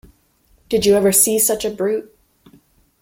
Did you ever see such a brute?